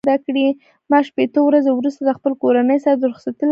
ما شپېته ورځې وروسته د خپل کورنۍ سره د رخصتۍ لپاره ځم.